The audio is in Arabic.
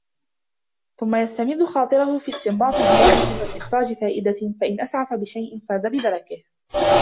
ثُمَّ يَسْتَمِدَّ خَاطِرَهُ فِي اسْتِنْبَاطِ زِيَادَةٍ وَاسْتِخْرَاجِ فَائِدَةٍ فَإِنْ أَسْعَفَ بِشَيْءٍ فَازَ بِدَرَكِهِ